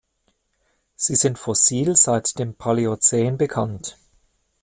Sie sind fossil seit dem Paläozän bekannt.